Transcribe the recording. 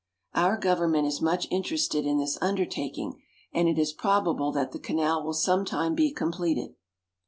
Our government is much interested in this undertaking, and it is probable that the canal will sometime be completed.